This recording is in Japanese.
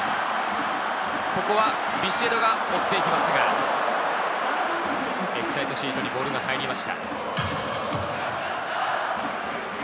ここはビシエドが追っていきますが、エキサイトシートにボールが入りました。